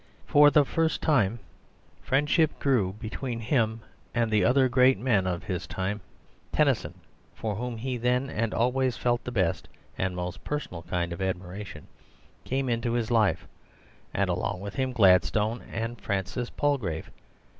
For the first time friendship grew between him and the other great men of his time. Tennyson, for whom he then and always felt the best and most personal kind of admiration, came into his life, and along with him Gladstone and Francis Palgrave.